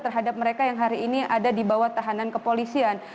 terhadap mereka yang hari ini ada di bawah tahanan kepolisian